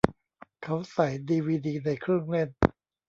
เขาใส่ดีวีดีในเครื่องเล่น